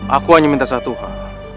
aku hanya minta satu hal